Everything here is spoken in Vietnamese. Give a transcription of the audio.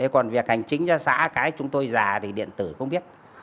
còn việc hành chính cho xã cái chúng tôi già thì điện tử không biết